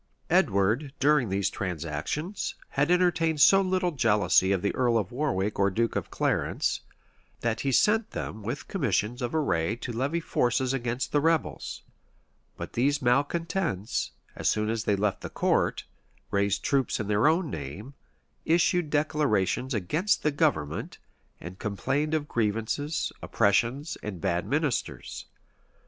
Edward, during these transactions, had entertained so little jealousy of the earl of Warwick or duke of Clarence, that he sent them with commissions of array to levy forces against the rebels:[] but these malecontents, as soon as they left the court, raised troops in their own name, issued declarations against the government, and complained of grievances, oppressions, and bad ministers.